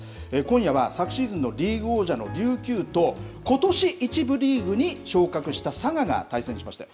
今夜は昨シーズンのリーグ王者と琉球とことし１部リーグに昇格した佐賀が対戦しました。